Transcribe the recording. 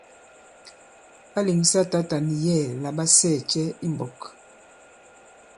Ɓa lèŋsa tǎta nì yɛ̌ɛ̀ la ɓa sɛɛ̀ cɛ i mbɔ̄k?